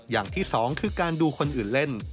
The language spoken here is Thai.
อย่างที่สองคือการดูคนอื่นเล่น